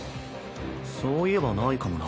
そういえばないかもな。